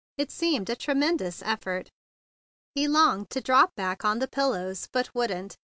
It seemed a tremendous effort. He longed to drop back on the pillows, but wouldn't.